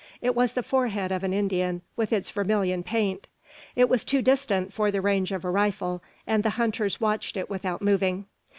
It was the forehead of an Indian with its vermilion paint. It was too distant for the range of a rifle, and the hunters watched it without moving.